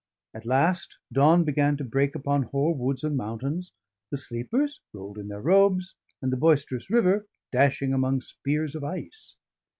At last dawn began to break upon hoar woods and mountains, the sleepers rolled in their robes, and the boisterous river dashing among spears of ice.